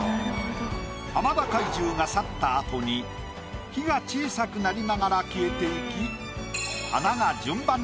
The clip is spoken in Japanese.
浜田怪獣が去った後に火が小さくなりながら消えていき。